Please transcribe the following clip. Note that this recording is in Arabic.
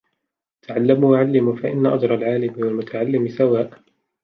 تَعَلَّمُوا وَعَلِّمُوا فَإِنَّ أَجْرَ الْعَالِمِ وَالْمُتَعَلِّمِ سَوَاءٌ